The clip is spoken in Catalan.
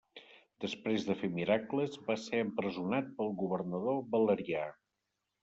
Després de fer miracles, va ser empresonat pel governador Valerià.